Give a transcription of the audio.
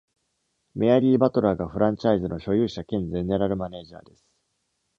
メアリー・バトラーが、フランチャイズの所有者兼ゼネラルマネージャーです。